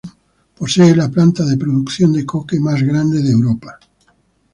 Posee la planta de producción de coque más grande de Europa.